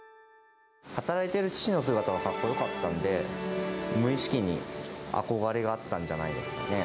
働いてる父の姿がかっこよかったんで、無意識に憧れがあったんじゃないですかね。